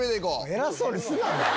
偉そうにすな！